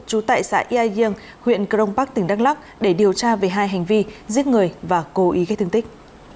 trú tại xã yai giêng huyện crong park tỉnh đắk lắc để điều tra về hai hành vi giết người và cố ý gây thương tích